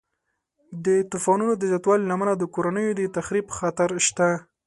د طوفانونو د زیاتوالي له امله د کورنیو د تخریب خطر شته.